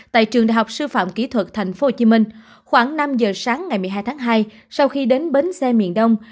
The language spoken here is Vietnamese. tại trường đại học sư phạm kỹ thuật tp hcm khoảng năm giờ sáng ngày một mươi hai tháng hai sau khi đến bến xe miền đông